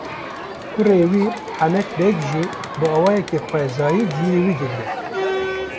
Kurê wî Hemed Beg jî bi awayekî xwezayî ciyê wî digire.